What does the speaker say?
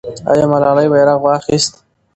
آیا ملالۍ بیرغ واخیست؟